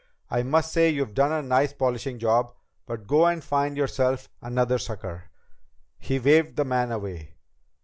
I must say you've done a nice polishing job. But go and find yourself another sucker." He waved the man away.